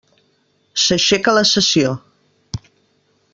S'aixeca la sessió.